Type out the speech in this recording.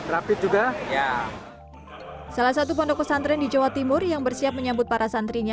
rapid juga ya salah satu pondok pesantren di jawa timur yang bersiap menyambut para santrinya